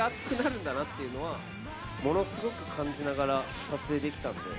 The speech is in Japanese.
このメンツとやったら、これだけ熱くなるんだなっていうのは、ものすごく感じながら、撮影できたんで。